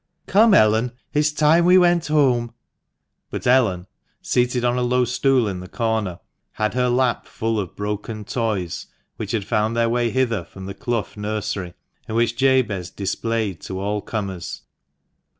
" Come, Ellen, it is time we went home." But Ellen, seated on a low stool in the corner, had her lap full of broken toys, which had found their way hither from the C lough nursery, and which Jabez displayed to all comers."